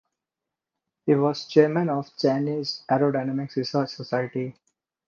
He was chairman of Chinese Aerodynamics Research Society.